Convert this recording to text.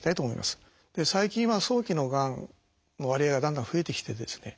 最近は早期のがんの割合がだんだん増えてきてですね